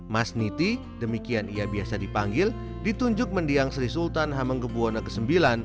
mas niti demikian ia biasa dipanggil ditunjuk mendiang sri sultan hamenggebuwona ix